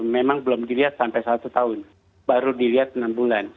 memang belum dilihat sampai satu tahun baru dilihat enam bulan